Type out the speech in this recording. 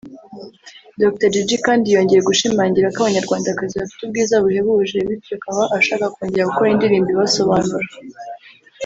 Dr Jiji kandi yongeye gushimangira ko Abanyarwandakazi bafite ubwiza buhebuje bityo akaba ashaka kongera gukora indirimbo ibasobanura